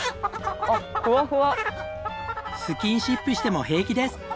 スキンシップしても平気です。